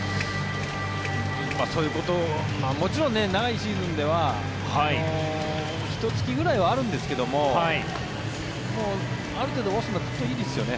そういうこともちろん長いシーズンではひと月くらいはあるんですけどある程度、オスナはずっといいですよね。